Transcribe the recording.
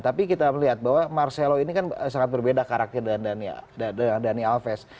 tapi kita melihat bahwa marcelo ini kan sangat berbeda karakter dani alves